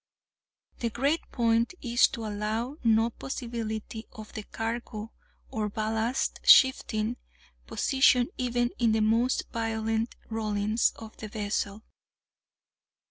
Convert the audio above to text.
The great point is to allow no possibility of the cargo or ballast shifting position even in the most violent rollings of the vessel.